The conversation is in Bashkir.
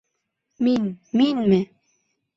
— Мин, минме?